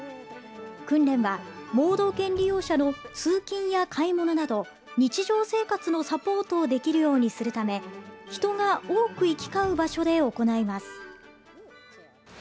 訓練は、盲導犬利用者の通勤や買い物など日常生活のサポートをできるようにするため人が多く行き交う場所で行います。